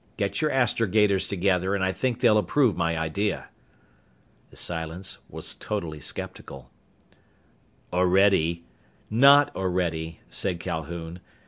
Get your astrogators together and I think they'll approve my idea." The silence was totally skeptical. "Orede " "Not Orede," said Calhoun.